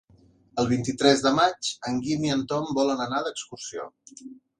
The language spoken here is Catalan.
El vint-i-tres de maig en Guim i en Tom volen anar d'excursió.